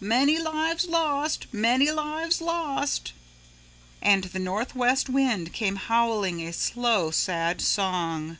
Many lives lost! Many lives lost!" And the Northwest Wind came howling a slow sad song.